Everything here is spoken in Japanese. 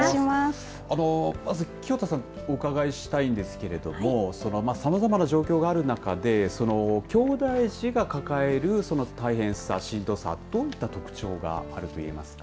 まず清田さんにお伺いしたいんですけれどもさまざまな状況がある中できょうだい児が抱える大変さしんどさ、どういった特徴があると言えますか。